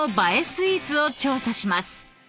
スイーツを調査します］